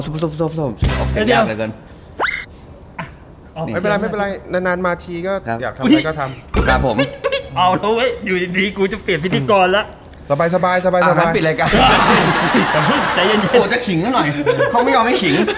เป็นไงไม่เป็นไรงานนานมาทีก็ครับอยากทำอะไรก็ทำ